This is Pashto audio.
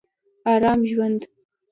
ارام ژوند